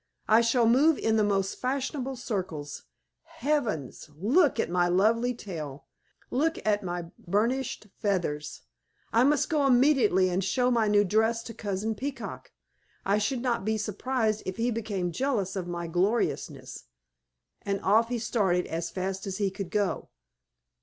I shall move in the most fashionable circles. Heavens! Look at my lovely tail! Look at my burnished feathers! I must go immediately and show my new dress to Cousin Peacock. I should not be surprised if he became jealous of my gorgeousness." And off he started as fast as he could go.